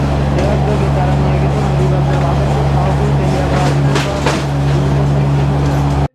ট্রাকযোগে চারা নিয়ে গেছেন হবিগঞ্জের মাধবপুর, শাহপুর, তেলিয়াপাড়া, দীঘিরপাড়সহ বিভিন্ন স্থানের কৃষকেরা।